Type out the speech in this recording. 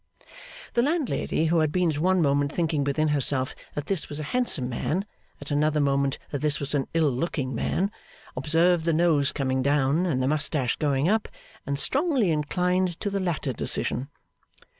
The landlady, who had been at one moment thinking within herself that this was a handsome man, at another moment that this was an ill looking man, observed the nose coming down and the moustache going up, and strongly inclined to the latter decision.